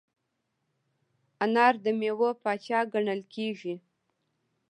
انار د میوو پاچا ګڼل کېږي.